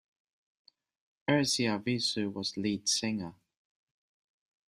Ersi Arvisu was lead singer.